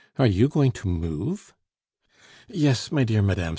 are you going to move?" "Yes, my dear Mme.